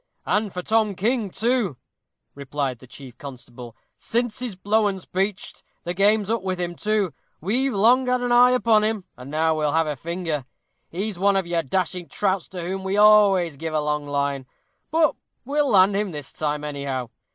"And for Tom King, too," replied the chief constable; "since his blowen's peached, the game's up with him, too. We've long had an eye upon him, and now we'll have a finger. He's one of your dashing trouts to whom we always give a long line, but we'll land him this time, anyhow.